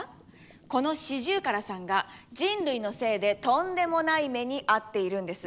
このシジュウカラさんが人類のせいでとんでもない目に遭っているんです。